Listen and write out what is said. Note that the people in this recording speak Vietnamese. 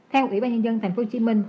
theo ủy ban nhân dân tp hcm